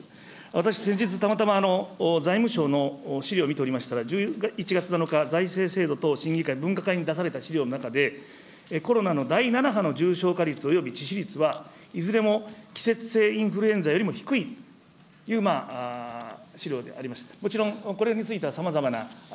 私、先日、たまたま財務省の資料を見ておりましたら、１１月７日、財政制度等分科会、審議会資料の中で、コロナの第７波の重症化率および致死率は、いずれも季節性インフルエンザよりも低いというしりょうでありました。